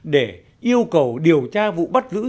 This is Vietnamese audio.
để yêu cầu điều tra vụ bắt giữ